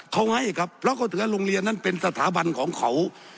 เขาให้ครับเพราะเขาถือว่าโรงเรียนนั้นเป็นสถาบันของเขา